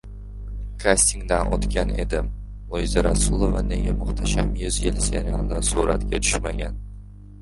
"Kastingdan o‘tgan edim": Luiza Rasulova nega "Muhtasham yuz yil" serialida suratga tushmagan?